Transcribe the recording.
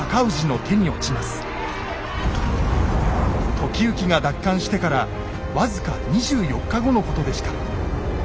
時行が奪還してから僅か２４日後のことでした。